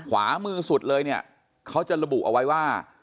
ขวามือสุดเลยเนี่ยเขาจะระบุเอาไว้ว่า